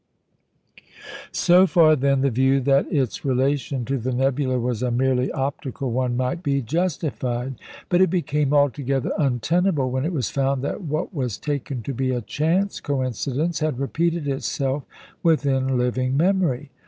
" So far, then, the view that its relation to the nebula was a merely optical one might be justified; but it became altogether untenable when it was found that what was taken to be a chance coincidence had repeated itself within living memory.